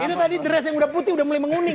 ini tadi dress yang udah putih udah mulai menguning